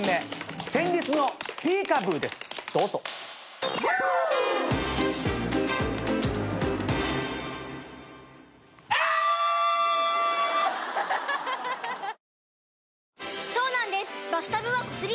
そうなんです